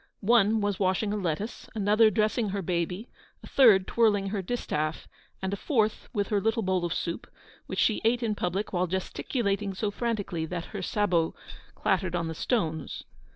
One was washing a lettuce, another dressing her baby, a third twirling her distaff, and a fourth with her little bowl of soup, which she ate in public while gesticulating so frantically that her sabots clattered on the stones.